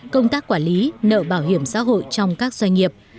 công tác quản lý nợ bảo hiểm xã hội trong các doanh nghiệp